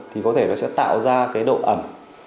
thì có thể nó sẽ tạo ra cái độ ẩm